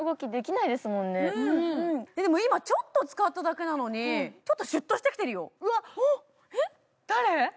今、ちょっと使っただけなのにシュッとしてきてるよ。